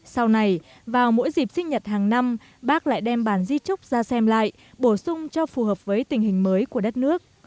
sau này vào mỗi dịp sinh nhật hàng năm bác lại đem bản di trúc ra xem lại bổ sung cho phù hợp với tình hình mới của đất nước